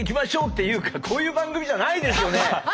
っていうかこういう番組じゃないですよね。